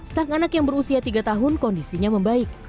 sang anak yang berusia tiga tahun kondisinya membaik